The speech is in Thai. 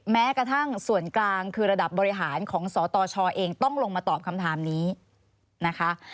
แม้กระทั่งส่วนกลางคือระดับบริหารของสตชเองต้องลงมาตอบคำถามนี้นะคะ